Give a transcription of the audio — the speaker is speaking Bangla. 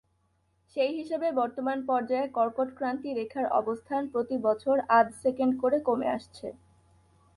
সেই হিসাবে বর্তমান পর্যায়ে কর্কটক্রান্তি রেখার অবস্থান প্রতি বছর আধ সেকেন্ড করে কমে আসছে।